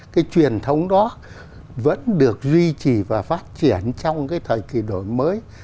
cái truyền thống đó vẫn được duy trì và phát triển trong cái thời kỳ đổi mới